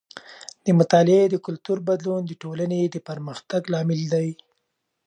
د مطالعې د کلتور بدلون د ټولنې د پرمختګ لامل دی.